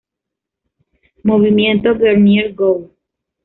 Movimiento, Vernier Go!